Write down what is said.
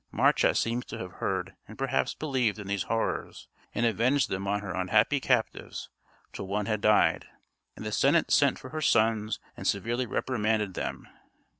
Marcia seems to have heard, and perhaps believed in these horrors, and avenged them on her unhappy captives till one had died, and the Senate sent for her sons and severely reprimanded them.